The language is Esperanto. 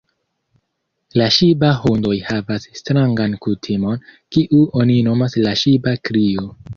La ŝiba-hundoj havas strangan kutimon, kiu oni nomas la ŝiba-krio.